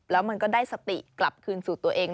แล้วมันก็ได้สติกลับคืนสู่ตัวเอง